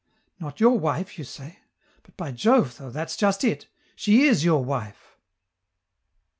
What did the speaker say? "Not your wife, you say? But, by Jove, though, that's just it; she is your wife."